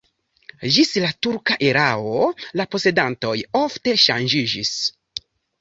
Ĝis la turka erao la posedantoj ofte ŝanĝiĝis.